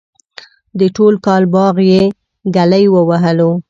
د ټول کال باغ یې گلی ووهلو.